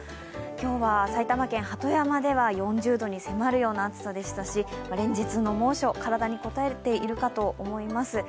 今日は埼玉県鳩山では４０度に迫るような暑さでしたし、連日の猛暑、体にこたえているかと思います。